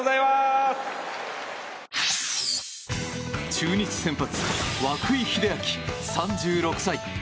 中日先発涌井秀章、３６歳。